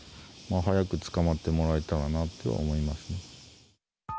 早く捕まってもらえたらなと思いますね。